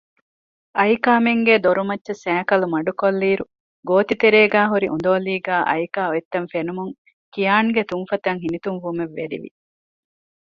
އައިކާމެންގޭ ދޮރުމައްޗަށް ސައިކަލު މަޑުކޮށްލިއިރު ގޯތިތެރޭގައި ހުރި އުނދޯލީގައި އައިކާ އޮތްތަން ފެނުމުން ކިޔާންގެ ތުންފަތަށް ހިނިތުންވުމެއް ވެރިވި